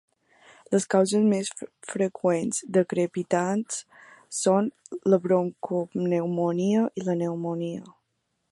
Les causes més freqüents de crepitants són la broncopneumònia i la pneumònia.